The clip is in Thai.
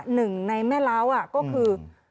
หนึ่งในแม่เล้าก็คือ